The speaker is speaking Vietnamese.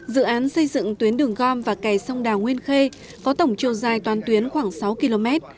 dự án xây dựng tuyến đường gom và kè sông đào nguyên khê có tổng chiều dài toàn tuyến khoảng sáu km